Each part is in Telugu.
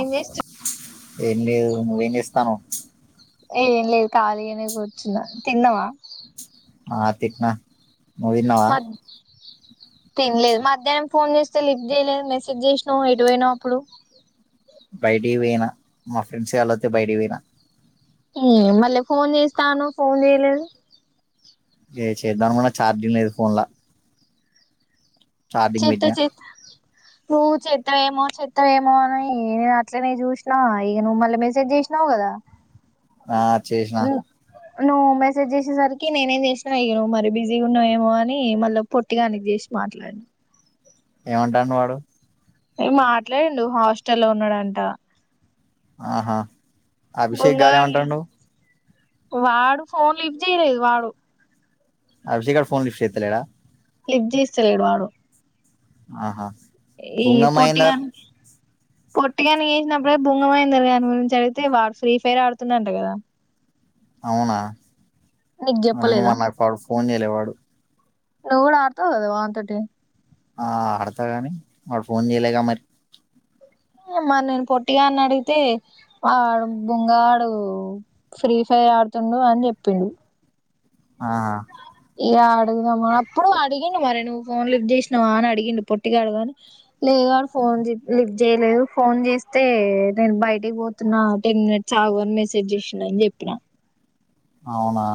ఏం చేస్తా ఏం లేదు నువ్వేం చేస్తానవ్ ఏ ఏం లేదు ఖాళీగనే కూర్చున్నా తిన్నవా ఆ తిన్నా నువ్ తిన్నవా మ తినలేదు మధ్యాహ్నం ఫోన్ చేస్తే లిఫ్ట్ చేయలేదు మెసేజ్ చేసినవ్ ఎటు పోయినవ్ అప్పుడు బయటికీ పోయినా మా ఫ్రెండ్స్ గాల్లోస్తే బయటికీ పోయినా ఉ మళ్ళీ ఫోన్ చేస్తానవ్ ఫోన్ చేయలేదు ఏ చేద్దామనుకున్నా ఛార్జింగ్ లేదు ఫోన్ లా ఛార్జింగ్ చేత్త పెట్టినా చేత్త నువ్వు చేత్తవేమో చేత్తవేమో అని నేను అట్లనే చూసినా ఇక నువ్వు మళ్ళీ మెసేజ్ చేసినవ్ కదా ఆ చేసిన నువ్వు మెసేజ్ చేసేసరికి నేనేం చేసినా ఇగ నువ్ మరి బిజీగా ఉన్నావేమో అని మళ్ళీ పొట్టీగానికి చేసి మాట్లాడిన ఏమంటాండు వాడు ఎ మాట్లాడిండు హాస్టల్లో ఉన్నడంట ఆహా అభిషేక్ గాడు బొంగగాడు ఏమంటాండు వాడు ఫోన్ లిఫ్ట్ చేయలేదు వాడు అభిషేక్ గాడు ఫోన్ లిఫ్ట్ చేత్తలేడా లిఫ్ట్ చేస్తలేడు వాడు ఆహా ఈ గుంగమ్మ అయిందారు పొట్టీగాని పొట్టిగానికి చేసినప్పుడు భుంగమహేందర్ గాని గురించి అడిగితే వాడు ఫ్రీ ఫైర్ ఆడుతుండంట కదా అవునా నీకు మ చెప్పలేదా అనా క [unintelligible] ఫోన్ చేయల వాడు నువు కూడా ఆడతవ్ కద వాంతోటి ఆ ఆడతా గాని వాడు ఫోన్ చేయలేగా మరి మరి నేను పొట్టిగాని అడిగితే వాడు బుంగగాడు ఫ్రీ ఫైర్ ఆడుతుండు అని చెప్పిండు ఆ ఇగ అడుగుదామా అప్పుడు అడిగిండు మరే నువ్వు ఫోన్ లిఫ్ట్ చేసినావా అని అడిగిండు పొట్టిగాడు గాని లేదు వాడు ఫోన్ లిఫ్ట్ చేయలేదు. ఫోన్ చేస్తే నేను బయటికి పోతున్నా టెన్ మినిట్స్ ఆగు అని మెసేజ్ చేసిన అని చెప్పిన అవునా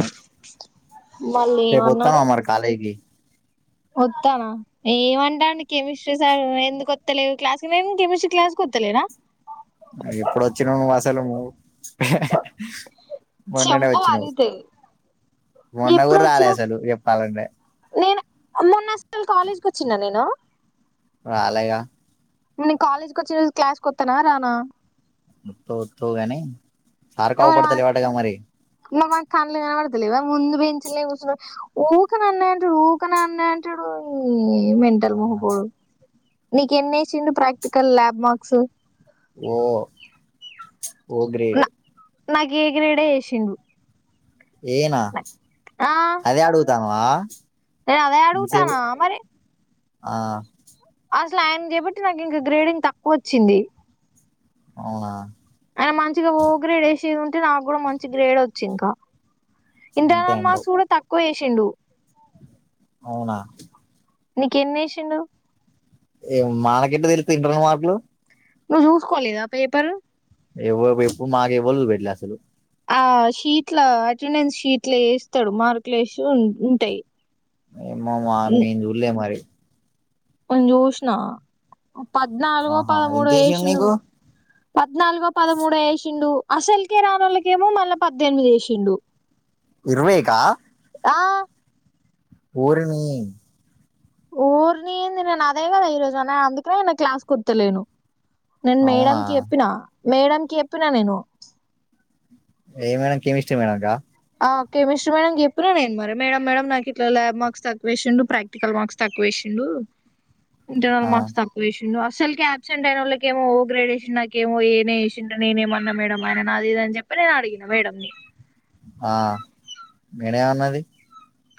మళ్ళీ రేపు ఏమన్నాడు వత్తన్నవ మరి కాలేజ్ కి వత్తానా ఏమంటండు కెమిస్ట్రీ సార్ ఎందుకు వత్త లేవు క్లాస్కి నేను కెమిస్ట్రీ క్లాస్ వత్తలేనా ఎప్పుడు వచ్చినవు నువ్వు అసలు నువ్వు మొన్ననే చెంప వచ్చినవు పగిలితది మొన్నగు ఎప్పుడు రాలే వచ్చినవ్ అసలు ఎప్పు అలండే నేను మొన్నస్కల్ కాలేజ్కి వచ్చిన నేను రాలేగా నేను కాలేజ్కి వచ్చిన రోజు క్లాస్కి వత్తనా రానా వత్తవ్ వత్తవ్ గని సార్ కావు పడుతలేవాటగా మరి ఇగా వాని కళ్లు కనవడత లేవ ముందు బెంచిల్నే కూసున్నా ఊక నన్నే అంటాడు ఊక నన్నే అంటాడు ఈ ఇ మెంటల్ మోహపోడు నీకు ఎన్నేసిండు practical lab marks O O grade నాకు ఎ గ్రెడే ఏసిండు ఏనా ఆ అదే అడు తన్ వా నేను అదే అడుగుతానా మరి ఆ అసలు ఆయన చేబట్టి నాకు ఇంకా గ్రేడింగ్ తక్కువ వచ్చింది. అవునా అయన మంచిగా ఓ గ్రేడ్ ఏసేది ఉంటే నాకు కూడా మంచి గ్రేడ్ వచ్చు ఇంకా అంతే ఇంటర్నల్ అంటావ్ మార్క్స్ కూడా తక్కువే సిండు అవునా నీకు ఎన్ని ఏసిండు ఏమో మానాకేట్ట తెలుతాయి ఇంటర్నల్ మార్కులు నువ్వు చూసుకోలేదా పేపర్ ఎవఎప్పు మాకు ఎవ్వల్ చూపెట్టలే అసలు ఆ షీట్ల అటెండెన్స్ షీట్ల ఎస్తాడు మార్కులు ఎసి ఉ ఉంటాయి ఏమో మా మేము చుళ్లే మరి నేను జుష్ణ పద్నాలుగో ఆహా పదమూడో ఎంతేసిండు ఏషిండు నీకు పద్నాలుగో పదమూడో ఎసిండు అసల్ కేే రానోల్ల కేేమో మల్ల పద్దెనిమిది ఏసిండు. ఇర్వేక ఆ ఓరి నీ ఓరిని ఏంది నేను అదే కదా ఈ రోజు అనే అందుకనే నేను క్లాస్ ఒత్తలేను. నేను అవునా మేడంకి చెప్పిన మేడం చెప్పిన నేను ఏ మేడం కెమిస్ట్ర్రి మేడంకా ఆ కెమిస్ట్రీ మేడం చెప్పినా నేను మరి మేడం మేడం నాకు ఇట్ల ల్యాబ్ మార్క్స్ తక్కువేసిండు ప్రాక్టికల్ మార్క్స్ తక్కువ వేసిండు ఇంటర్నల్ ఆ మార్క్స్ తక్కువ ఎశిండు అసలుకి అబ్సెంట్ అయినోళ్ళకేమో ఏమో ఓ గ్రేడ్ ఏసిండు నాకేమో ఏ చేసిన నేనేమన్నా మేడంమ్ ఆయనని అది ఇది అని చెప్పి నేను అడిగిన మేడంని ఆ మీ మేడం ఏం అన్నది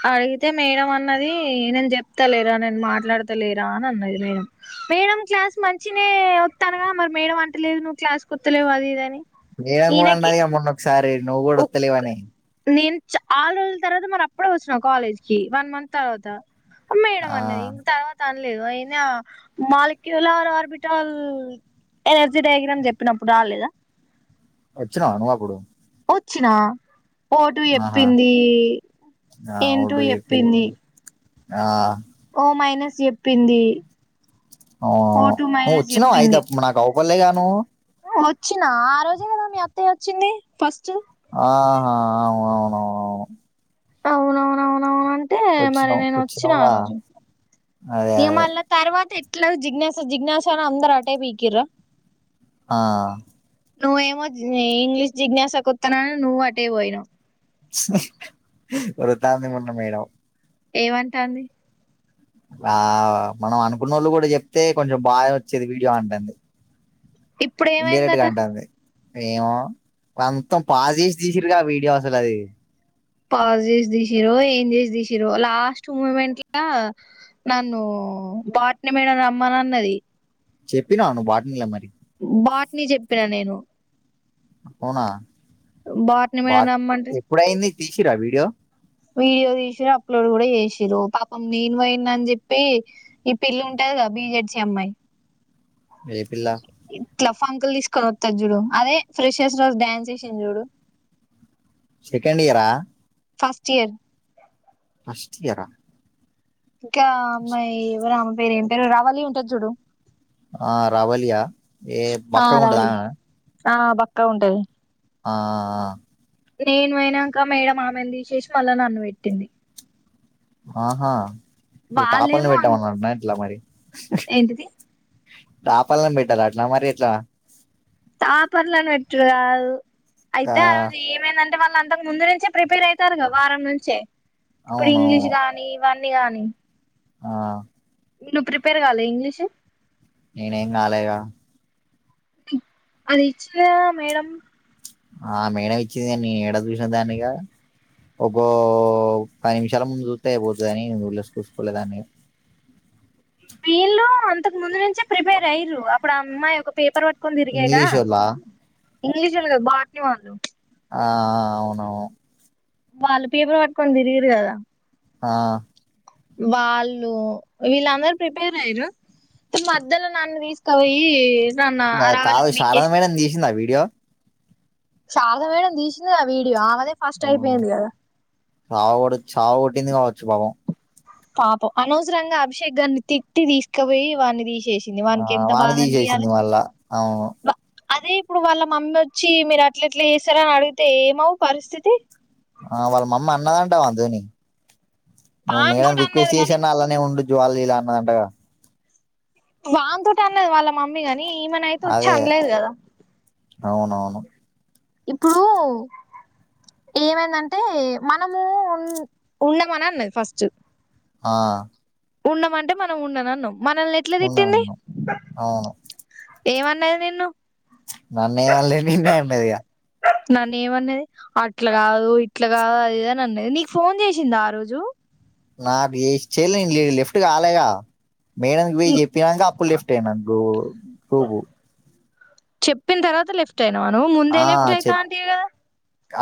అడిగితే మేడం అన్నది నేను చెప్తా లేరా నేను మాట్లాడత లేరా అని అన్నది మేడం. మేడం క్లాస్ మంచినే వస్తానుగా మరి మేడ అంటలేదు నువ్వు క్లాస్ కుత్తలేవు అది ఇది అని మేడం కూడా అన్నది కదా మొన్నా ఒసా సరే నువ్వు కూడాడొత్తలేవని నేను ఆరు రోజుల తర్వాత మరి అప్పుడే వస్తుిన కాలేజ్ కి వన్ మంత్ తర్వాత మేడం ఆ అన్నది ఇం తర్వాత అయినా మాలిక్యూల ఆర్బిటాల్ డేగనం చెప్పినప్పుడు రాలే వచ్చిన నువ్వు అప్పుడు వచ్చిన ఓటు ఆహా చెప్పింది ఆ ఏంటూ అవుడు చెప్పింది ఆ ఓ మైనస్ చెప్పింది ఆ ఓ టూ ను మైనస్ వచ్చిన ఐద నాకు ఒకళగాను వచ్చినా ఆ రోజే కదా మీ అత్తయ్య వచ్చింది ఫస్ట్ ఆహా అవు అవునువువును అవునవునవునవు అంటే మరి వచ్చినావు నేను వచ్చిన ఆ వచ్చినావుగా రోజు అదే ఈ అదే మళ్ళ తర్వాత ఎట్లా జిజ్ఞాస జిజ్ఞాసన అందర్ ఆటే బకిరా ఆ ను ఏమ ఇంగ్లిష్ జిజ్ఞాసాకుతున్నా ను్ వాటేవయన ఒక తామి మన్న మేడం ఏమంటాంది ఆ మనం అనుకున్న వాళ్ళు కూడా చెప్తే కొంచెం బాగా వచ్చేది వీడియో అంటేంది ఇప్పుడు ఏమైందట ఏమో వా అంతం పాస్ చేసి తీసిరగా వీడియో అసలు అది పాజ్ చేసి తీసిరో ఏం చేసి తీసిరో లాస్ట్ మూమెంట్ల నన్ను బట్ని మేడ రమ్మను అన్నది చెప్పినాను వాటినిలా మరి వాటిని చెప్పినా నేను పోనా బాట్ని బా మేడం రమ్మంటే ఎప్పుడయింది తీసిరా వీడియో వీడియో తీసిర్ అప్లోడ్ కూడా చేసిర్ పాపం నేను పోయిన అని చెప్పి ఈ పిల్ ఉంటది కదా బీ జె డ్సీ అమ్మాయి ఏ పిల్లా కల ఫంకులు తీసుకొని వస్తారు చూడు అదే ఫ్రెష్స్ రోజు డ్యాన్స్ చేసింది చూడు సెకండ్ ఇయరా ఫస్ట్ ఇయర్ ఫస్ట్ ఇయరా ఇంకా అమ్మాయి ఎవరు ఆమె పేరు ఏం పేరు రవలి ఉంటది చూడు ఆ రావలియా ఏ ఆ బక్క రవళి గుంటదామేన ఆ బక్కాగా ఉంటది ఆ ఆ నేను పోయినంక మేడం ఆమెను తీసేసి మళ్ళా నన్ను పెట్టింది ఆహా తాపని వాళ్ళేమో పెట్టామ అన్నన్నా ఇట్లా మరి ఏంటిది పాపలన్ బెట్టల అట్లా అ మరి ఎట్లా తాపర్ల పెట్టరాదు అయితే ఆ రోజు ఏమేందంటే అంటే వాళ్ళ అంతకు ముందు నుంచే ప్రిపేర్ అవుతారు వారం నుంచే ఇప్పుడు అవును ఇంగ్లీష్ అవును గాని ఇవన్నీ నిగాని ఆ నువ్ ప్రిపేర్ కాలే ఇంగ్లీషు నేనేం కాలేగా అదిచ్చిన మేడం ఆ మేడ ఇచ్చింది న ఎడ చూసిన దాన్నిగా ఒక్కో పది నిమిషాల ముందు చూస్త అయిపోతుందిని వళ్లేసి కూూసుకోలేదాన్ని వీళ్ళు అంతకు ముందు నుంచే ప్రిపేర్ అయ్యారు అప్పుడు ఆ అమ్మాయి ఒక పేపర్ ఇంగ్లీషలా ఇంగ్లీషోల్లు కాదు బాటిని వాళ్ళు ఆ ఆ అవునవును వాళ్ళ పేపర్ పక్క తిరియరు కదా ఆ వాళ్ళు వీళ్ళందర ప్రిపేర్ అయ్యారు మధ్యలో నన్ను తీసుకవయి కాదు శారద మేడం తీసిందా వీడియో శారదా మేడం తీసిందిగా వీడియో ఆమే మ్మ్ చావు కూడా చావు కొట్టింది కావచ్ సుభావం పాపం అనవసరంగా అభిషేక్ గారిని తిట్టి తీసుకుపోయి వాని తీస్ ఆ వాన్ని తీసేసింది మళ్ళా ఆవ్ అదే ఇప్పుడు వాళ్ళ మమ్మీ వచ్చి మీరు అట్ల ఇట్లా చేసారు అని అడిగితే ఏమవు పరిస్థితి ఆ వాళ్ళ మమ్మ అన్నదంటా వాని తోని నువ్వు మేడం వానితోటి అన్నది రిక్వెస్ట్ చేసి కాని అయిన అల్లానే ఉండు జ్వాలలీలా అన్నదంటగా వాన్ తోటి అన్నది వాళ్ళ మమ్మీ గాని ఏమన్న అయితే వచ్చి అదే అనలేదు కదా అవునవును ఇప్పుడు ఏమైందంటే మనము ఉ ఉండమని అన్నది ఫస్ట్ ఆ ఉండమంటే మనం ఉండను అన్నాం. మనల్ని ఎట్లా తిట్టింది ఉన్నాను అవును ఏమన్నది నిన్ను నన్ను ఏమనలే నిన్నే అన్నది ఇక నన్ను ఏమన్నది అట్ల కాదు ఇట్ల కాదు అది ఇది అన్నది నీకు ఫోన్ చేసింద ఆ రోజు నాకు ఏ చేయలేదు లే లీఫ్ట్ కాలేదుగా మేడం కి పోయి చెప్పినాక అప్పు లెఫ్ట్ అయినా గ గ్రూప్ చెప్పిన తర్వాత లెఫ్ట్ టెనావ నువ్వు ఆ ముందే లెఫ్ట్ అయితా చెప్ అంటివి కదా నువ్వు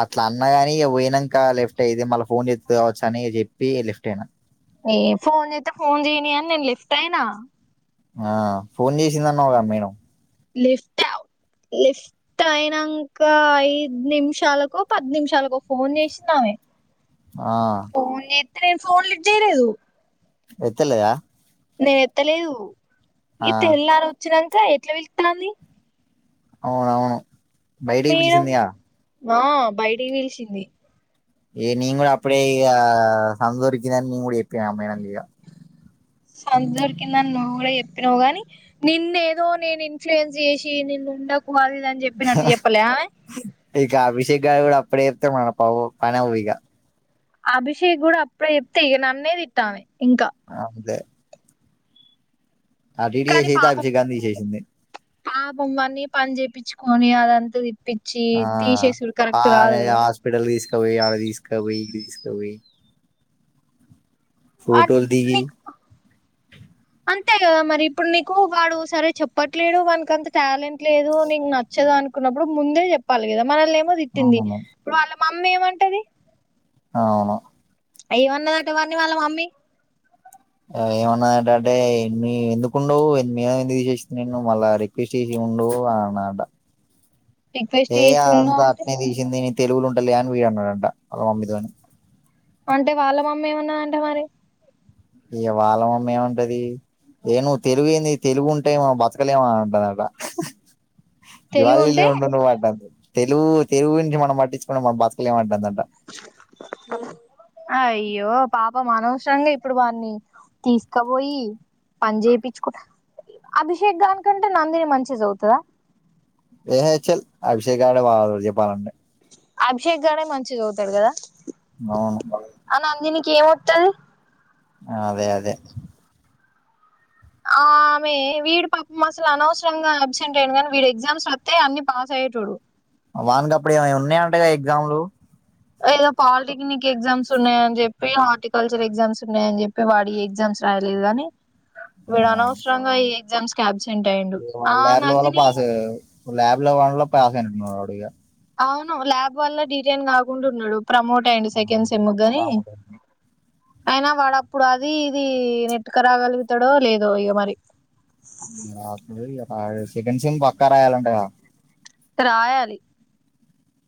అట్లా అన్నా గాని ఇక పోయినాక లెఫ్ట్ అయిది మళ్ళ ఫోన్ చేస్తది కావచ్చు అని చెప్పి లెఫ్ట్ అయినా ఏ ఫోన్ చేస్త ఫోన్ చేయని అని నేను లెఫ్ట్ అయినా ఆ ఫోన్ చేసింది అన్నావ్ గా మేడమ్ లెఫ్ట్ లెఫ్ట్ అయినంక ఐదు నిమిషాలకో పది నిమిషాలకో ఫోన్ చేసింది ఆమె ఆ ఫోన్ చేస్తే నేను ఫోన్ లిఫ్ట్ చేయలేదు. ఎత్తలేదా నేను ఎత్తలేదు ఆ ఏ తెల్లారు వచ్చినంక ఎట్ల పిలుతున్నది అవును అవును బయటకు పిలిచింది కదా వ బయటికి పిలిచింది ఏ నేను కూడా అప్పుడే ఇంక సందు దొరికింది అని నేను కూడా చెప్పిన ఆ మేడం ఇంకా సందు దొరికింది అని నువ్వు కూడా చెప్పినావు గాని నిన్న ఏదో నేను ఇన్ఫ్లుయెన్స్ చేసి నిన్ను ఉండకు [unintelligible] చెప్పినట్టు చెప్పలే ఇక అభిషేక్ గాడు కూడా అప్పుడే చెప్తే మన ప పనిఅవ్వు ఇక అభిషేక్ కూడా అప్పుడే చెప్తే ఇక నన్నే తిట్టు ఆమే అదే ఇటు కానీ చేసి అయితే పాపం అభిషేక్ గారిని తీసేసింది పాపం వాన్నీ పని చేపించు కాని ఆది అంతా దిప్పి చి ఆ, తీషేసుడు కరెక్ట్ కాదు కదా కుపోయి ఆడ తీసుకుపోయి ఈడ తీసుకపోయి ఫోటోలు దిగి నీకు అంతే కదా మరి ఇప్పుడు నీకు వాడు సరే చెప్పట్లేడు వాననికి అంత టాలెంట్ లేదు నీకు నచ్చదు అనుకున్నప్పుడు ముందే జెప్పాలి కదా మనల్ని ఏం ప్పుడో తిట్టింది అవును మమ్మీ ఏమంటది అవును ఏమనదట వాని వాళ్ళ మమ్మీ ఆమె ఏమన్నదట అంటే ఎన్ని ఎందుకుండవు మేడమ్ తీశేషింది నిను మల్ల రిక్వెస్ట్ చేసి ఉండు అని అన్నదట రిక్వెస్ట్ ఏ చేసిండు అదంతా అంటే అట్నే తీషిన్ది నే తెలిగుల ఉంటలుగా అని వీడు అన్నాడు అంట వళ్ళ మమ్మీ తో నీ అంటే వాళ్ళ అమ్మ ఏం అన్నాదంట మరి ఇగ వాళ్ళ మమ్మీ ఏమంటది ఏ ను్వు తెలుగు ఏంది తెలుగు ఉంటే ఏమో బతకలేమ అని అంటదట తెలివి జ్వాలి లే ఉంటే ఉంటున వాటంతుక్ తెలుగు తెలుగు గురించి మనం పట్టించుకుంటే మన బతుకలేం అంటందండి అయ్యో పాప మనవస్రంగా ఇప్పుడు వాని తీసుకబోయి పని చేయిచ్చుకుట అభిషేక్ గానికంటే నందినే మంచి జదువుతద ఏహె చల్ అభిషే గాడే బాగా చదువు చెప్పాలంటే అభిషేక్ గాడే మంచిగ చదువుతడు గదా అవును దీనికి ఏం అతంది అదే అదే ఆమె వీడు పాపం అసలు అనవసరంగా అబ్సెంట్ అయ్యాను గానీ వీడు ఎగ్జామ్స్ రాతే అన్ని పాస్ అయ్యేటోడు వానికప్పుడు ఏమో ఉన్నాయంట గద ఎగ్జామ్లు ఏదో పాలిటెక్నిక్ ఎగ్జామ్స్ ఉన్నాయని జెప్పి హార్టికల్చర్ ఎగ్జామ్స్ ఉన్నాయని జెప్పి వాడు ఈ ఎగ్జామ్స్ రాయలేదు గాని వీడు అనవసరంగా ఈ ఎగ్జామ్స్ క్యాబ్స్ ల్యాబ్ లో వల్ల పాస్ అయ్యాడు లాబ్ ల దాంట్లో పాసయినటునాడు వాడిగ అవును ల్యాబ్ వల్ల డీటైన్ గాకుండా ఉన్నడు ప్రమోట్ అయ్యిండు సెకండ్ సమ్ముగాని రాముడు అయినా వాడప్పుడు అది ఇది నెట్టుకు రాగలుగుతాడో లేదో ఇగ మరి సెకండ్ సెమ్ పక్క రాయాలంటగ రాయాలి